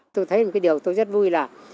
tôi thấy một cái điều tôi rất vui là